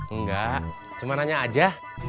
enggak cuma nanya aja